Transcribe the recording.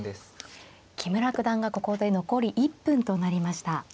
木村九段がここで残り１分となりました。